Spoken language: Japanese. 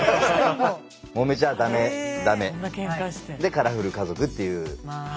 「揉めちゃダメダメ」で「カラフル家族」っていう。